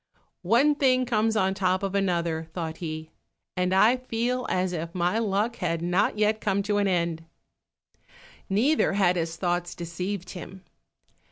"One thing comes on the top of another," thought he, "and I feel as if my luck had not yet come to an end." Neither had his thoughts deceived him.